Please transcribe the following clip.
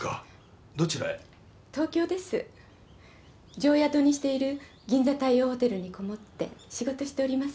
常宿にしている銀座太陽ホテルにこもって仕事しております。